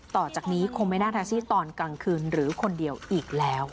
ต่อจากนี้คงไม่น่าแท็กซี่ตอนกลางคืนหรือคนเดียวอีกแล้ว